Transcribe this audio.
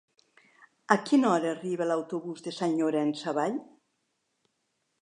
A quina hora arriba l'autobús de Sant Llorenç Savall?